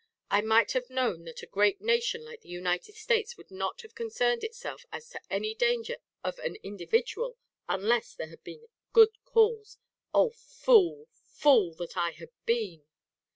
I might have known that a great nation like the United States would not have concerned itself as to any danger to an individual, unless there had been good cause. Oh fool! fool! that I had been!